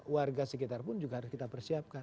warga sekitar pun juga harus kita persiapkan